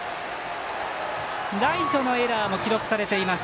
ライトのエラーも記録されています。